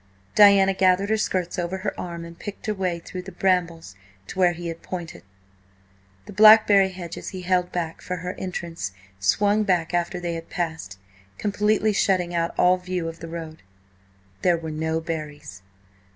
Diana gathered her skirts over her arm and picked her way through the brambles to where he had pointed. The blackberry hedges he held back for her entrance swung back after they had passed, completely shutting out all view of the road. There were no berries.